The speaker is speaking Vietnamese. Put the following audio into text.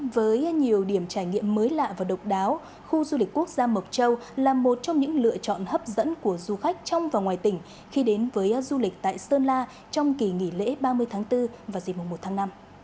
với nhiều điểm trải nghiệm mới lạ và độc đáo khu du lịch quốc gia mộc châu là một trong những lựa chọn hấp dẫn của du khách trong và ngoài tỉnh khi đến với du lịch tại sơn la trong kỳ nghỉ lễ ba mươi tháng bốn và dịp mùa một tháng năm